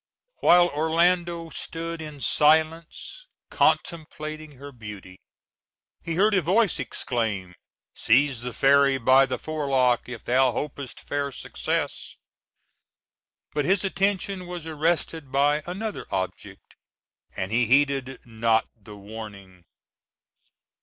While Orlando stood in silence contemplating her beauty he heard a voice exclaim: "Seize the fairy by the forelock, if thou hopest fair success." But his attention was arrested by another object, and he heeded not the warning.